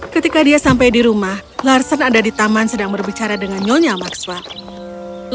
ketika dia sampai di rumah larsen ada di taman sedang berbicara dengan nyonya maxwer